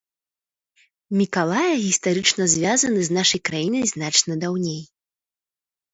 Мікалая гістарычна звязаны з нашай краінай значна даўней.